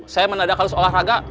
saya menadak halus olahraga